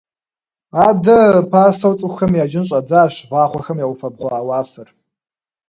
Адэ пасэу цӏыхухэм яджын щӏадзащ вагъуэхэм яуфэбгъуа уафэр.